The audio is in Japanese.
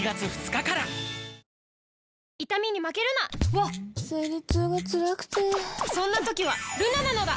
わっ生理痛がつらくてそんな時はルナなのだ！